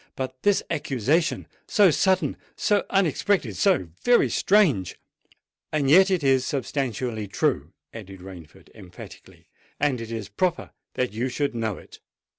But this accusation—so sudden—so unexpected—so very strange——" "And yet it is substantially true," added Rainford emphatically: "and it is proper that you should know it.